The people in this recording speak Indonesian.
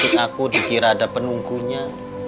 batu akik aku dikira ada penunggunya